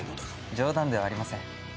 冗談ではありません。